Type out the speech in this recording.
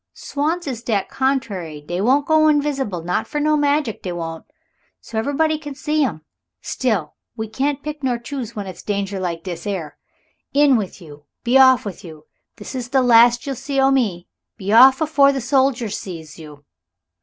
swans is dat contrary dey won't go invisible not for no magic, dey won't. So everybody can see 'em. Still we can't pick nor choose when it's danger like dis 'ere. In with you. Be off with you. This is the last you'll see o' me. Be off afore the soldiers sees you."